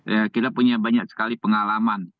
ya kita punya banyak sekali pengalaman